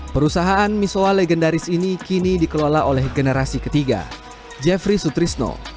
perusahaan misoa legendaris ini kini dikelola oleh generasi ketiga jeffrey sutrisno